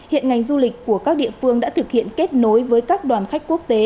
hiện ngành du lịch của các địa phương đã thực hiện kết nối với các đoàn khách quốc tế